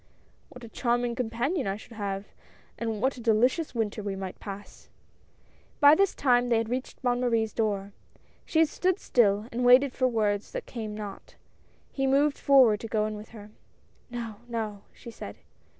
What a charming companion I should have, and what a delicious winter we might pass !" By this time, they had reached Bonne Marie's door. She stood still, and waited for words that came not. He moved forward to go in with her. "No, no," she said.